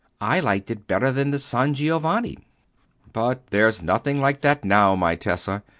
I liked it better than the San Giovanni." "But there's nothing like that now, my Tessa.